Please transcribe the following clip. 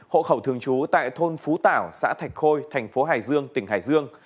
hộ khẩu thường trú tại thôn phú tảo xã thạch khôi thành phố hải dương tỉnh hải dương